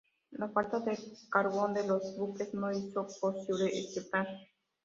La falta de carbón de los buques no hizo posible este plan.